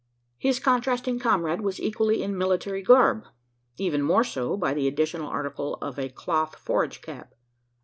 His contrasting comrade was equally in military garb even more so, by the additional article of a cloth forage cap.